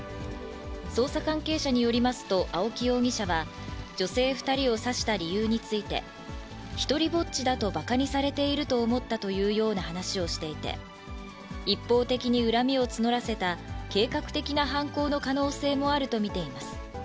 捜査関係者によりますと、青木容疑者は女性２人を刺した理由について、独りぼっちだとばかにされていると思ったというような話をしていて、一方的に恨みを募らせた計画的な犯行の可能性もあると見ています。